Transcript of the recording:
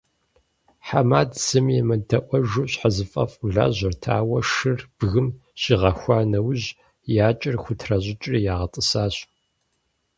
ХьэматӀ зыми емыдэӀуэжу щхьэзыфӀэфӀу лажьэрт, ауэ шыр бгым щигъэхуа нэужь, и акӀэр хутращыкӀри ягъэтӀысащ.